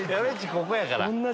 ここやから。